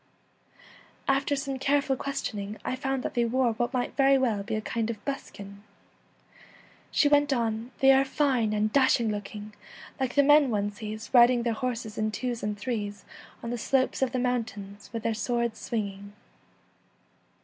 After some careful questioning I found that they wore what might very well be a kind of buskin ; she 98 went on, ' They are fine and dashing ' And Fair, Fierce looking, like the men one sees riding Women.' their horses in twos and threes on the slopes of the mountains with their swords swinging.'